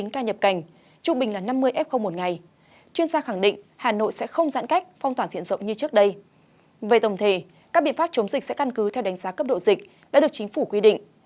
các biện pháp chống dịch sẽ căn cứ theo đánh giá cấp độ dịch đã được chính phủ quy định